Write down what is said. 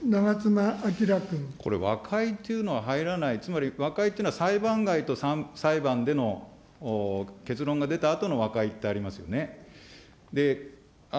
これ、和解というのは入らない、つまり和解っていうのは裁判外と裁判での結論が出たあとの和解ってありますよね。